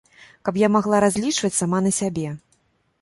Каб я магла разлічваць сама на сябе!